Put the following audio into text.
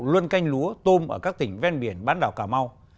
luân canh lúa tôm ở các tỉnh ven biển bán đảo cà mau